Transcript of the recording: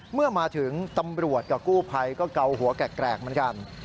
เมื่อมาถึงตำรวจกับกู้ภัยก็เกาหัวแกรกเหมือนกัน